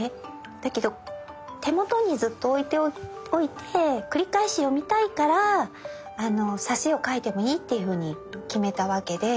だけど手元にずっと置いておいて繰り返し読みたいから挿絵を描いてもいいっていうふうに決めたわけで。